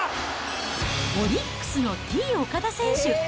オリックスのＴー岡田選手。